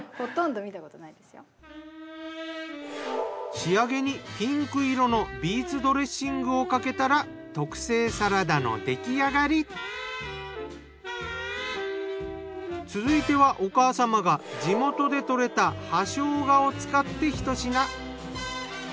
仕上げにピンク色のビーツドレッシングをかけたら特製サラダの出来上がり。続いてはお母様が地元で採れた葉生姜を使ってひと品。